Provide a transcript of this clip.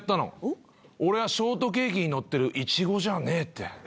俺はショートケーキにのってるイチゴじゃねぇって。